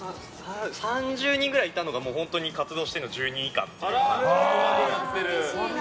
３０人ぐらいいたのが本当に活動しているのは１０人以下っていう感じです。